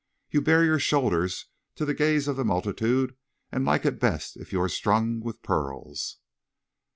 You bare your shoulders to the gaze of the multitude and like it best if you are strung with pearls."